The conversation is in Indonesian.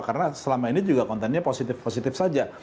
karena selama ini kontennya positif positif saja